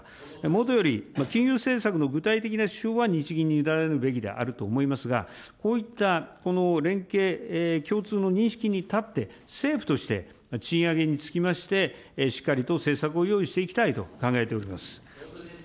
もとより、金融政策の具体的な手法は日銀に委ねるべきだと思いますが、こういった、この連携、共通の認識に立って、政府として賃上げにつきまして、しっかりと政策を用意していきたいと考えております。